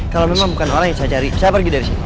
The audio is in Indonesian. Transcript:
kalau memang bukan oleh yang saya cari saya pergi dari sini